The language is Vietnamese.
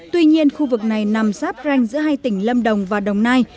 tuy nhiên khu vực này nằm sáp ranh giữa hai tỉnh lâm đồng và đồng nai